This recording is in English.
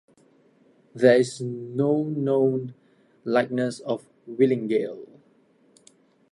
There is no known likeness of Willingale.